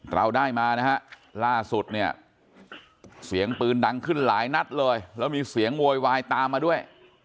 เราได้มานะฮะล่าสุดเนี่ยเสียงปืนดังขึ้นหลายนัดเลยแล้วมีเสียงโวยวายตามมาด้วย